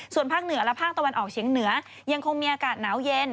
ส่วนภาคเหนือและภาคตะวันออกเฉียงเหนือยังคงมีอากาศหนาวเย็น